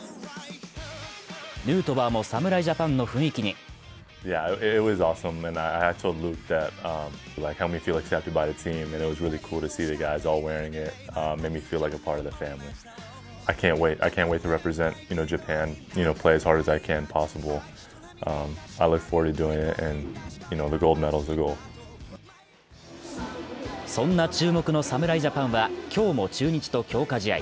ヌートバーも侍ジャパンの雰囲気にそんな注目の侍ジャパンは今日も中日と強化試合。